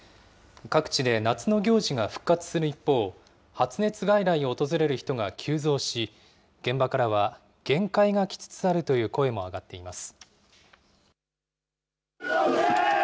各地で夏の行事が復活する一方、発熱外来を訪れる人が急増し、現場からは限界が来つつあるという声も上がっています。